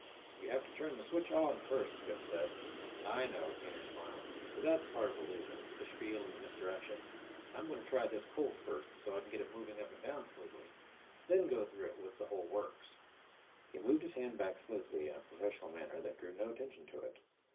"You have to turn the switch on first," Biff said. "I know," Kaner smiled. "But that's part of illusion the spiel and the misdirection. I'm going to try this cold first, so I can get it moving up and down smoothly, then go through it with the whole works." [Illustration: ILLUSTRATED BY BREY] He moved his hand back smoothly, in a professional manner that drew no attention to it.